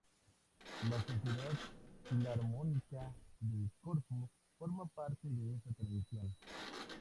La Sociedad Filarmónica de Corfú forma parte de esa tradición.